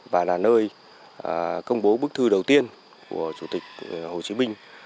và là nơi công bố bức thư đầu tiên của chủ tịch hồ chí minh